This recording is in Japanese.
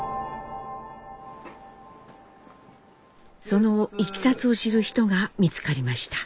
そのいきさつを知る人が見つかりました。